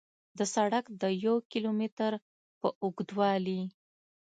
د سړک د یو کیلو متر په اوږدوالي